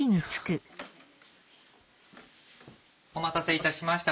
お待たせいたしました。